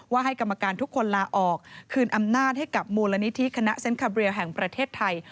ให้กรรมการทุกคนลาออกคืนอำนาจให้กับมูลนิธิคณะเซ็นคาเรียลแห่งประเทศไทย